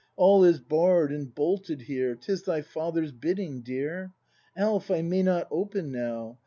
All is barr'd and bolted here. 'Tis thy father's bidding, dear! Alf, I may not open now!